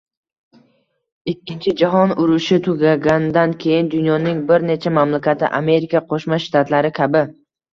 Ikkinchi jahon urushi tugaganidan keyin, dunyoning hech bir mamlakati Amerika Qo‘shma Shtatlari kabi